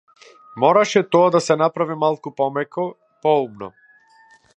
Мораше тоа да се направи малку помеко, поумно.